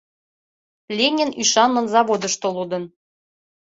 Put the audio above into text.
Ленин ӱшанлын заводышто лудын.